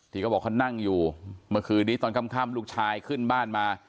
เขาบอกเขานั่งอยู่เมื่อคืนนี้ตอนค่ำลูกชายขึ้นบ้านมา